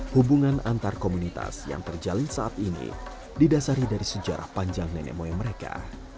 hubungan antar komunitas yang terjalin saat ini didasari dari sejarah panjang nenek moyang mereka